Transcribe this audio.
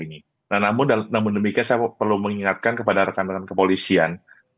nah namun demikian saya perlu mengingatkan kepada rekan rekan kepolisian